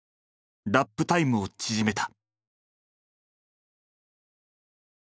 ラップタイムを縮めた。